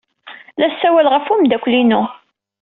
La ssawaleɣ ɣef umeddakel-inu.